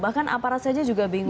bahkan aparat saja juga bingung